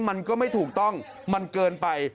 มันก็ไม่ถูกต้องมันเกินไป